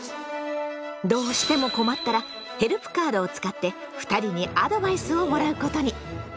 どうしても困ったらヘルプカードを使って２人にアドバイスをもらうことに。